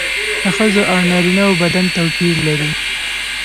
د ښځو او نارینه وو بدن توپیر لري